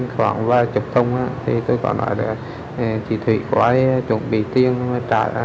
khoảng ba mươi thùng thì tôi có nói được chị thủy có chuẩn bị tiền trả